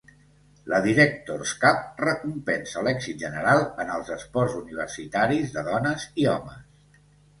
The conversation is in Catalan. La Directors' Cup recompensa l"èxit general en els esports universitaris de dones i homes.